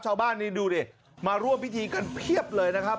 ชาวบ้านนี่ดูดิมาร่วมพิธีกันเพียบเลยนะครับ